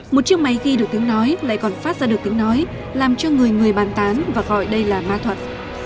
một chiếc máy ghi được tiếng nói lại còn phát ra được tiếng nói làm cho người người bàn tán và gọi đây là ma thuật